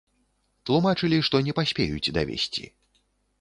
Тлумачылі, што не паспеюць давесці.